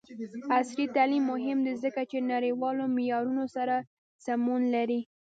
عصري تعلیم مهم دی ځکه چې نړیوالو معیارونو سره سمون لري.